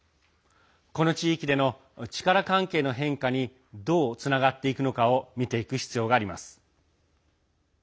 この地域での力関係の変化にどうつながっていくのかを見ていく必要があります。